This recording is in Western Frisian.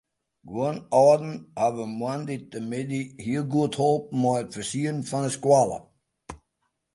Guon âlden hawwe moandeitemiddei hiel goed holpen mei it fersieren fan de skoalle.